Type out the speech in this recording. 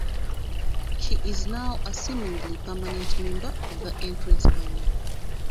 She is now a seemingly permanent member of the Entrance Band.